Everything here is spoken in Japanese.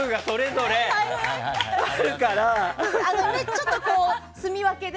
ちょっと住み分けで